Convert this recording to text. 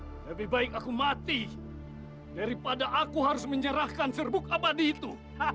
lebih baik aku mati daripada aku harus menyerahkan serbuk abadi itu